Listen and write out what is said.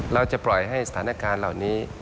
เราจะปล่อยให้สถานการณ์เหล่านี้